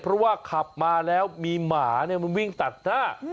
เพราะว่าขับมาแล้วมีหมามันวิ่งตัดหน้า